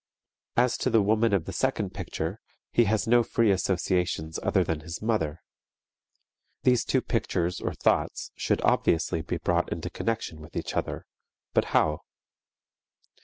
As to the woman of the second picture, he has no free associations other than his mother. These two pictures or thoughts should obviously be brought into connection with each other, but how?